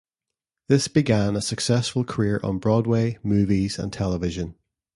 This began a successful career on Broadway, movies and television.